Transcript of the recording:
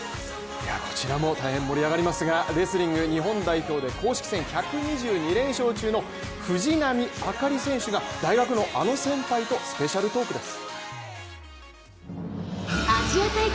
こちらも大変盛り上がりますが、レスリング日本代表で公式戦１２２連勝中の藤波朱理選手が大学の、あの先輩とスペシャルトークです。